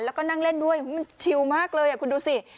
แล้วก็นั่งเล่นด้วยมันชิวมากเลยคุณดูสิ